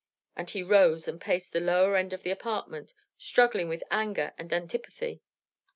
And he rose and paced the lower end of the apartment, struggling with anger and antipathy.